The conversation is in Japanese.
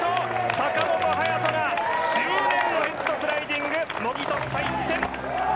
坂本勇人が執念のヘッドスライディング！もぎ取った１点！